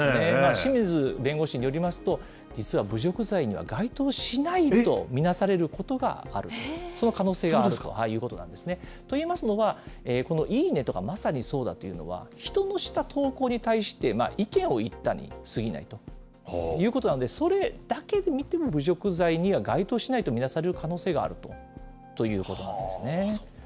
清水弁護士によりますと、実は侮辱罪には該当しないと見なされることがあると、その可能性があるということなんですね。といいますのは、このいいねとか、まさにそうだというのは、人のした投稿に対して、意見を言ったにすぎないということなので、それだけを見ても侮辱罪には該当しないと見なされる可能性があるということなんですね。